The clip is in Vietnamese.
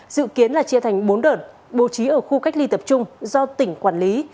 dự kiến là chia thành bốn đợt bố trí ở khu cách ly tập trung do tỉnh quản lý